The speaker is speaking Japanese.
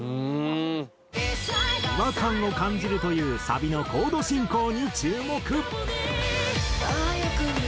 違和感を感じるというサビのコード進行に注目。